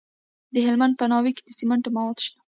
د هلمند په ناوې کې د سمنټو مواد شته.